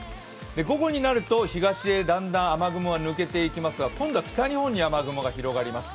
午後になると、東へだんだん雨雲が抜けていきますが今度は北日本に雨雲が広がります。